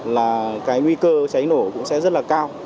là cái nguy cơ cháy nổ cũng sẽ rất là cao